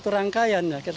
itu udah satu rangkaian